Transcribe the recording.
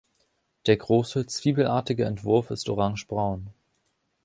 Der große, zwiebelartige Entwurf ist organgebraun.